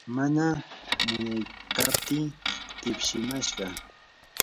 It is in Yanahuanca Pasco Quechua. mana munaykaptii tipsimashqam.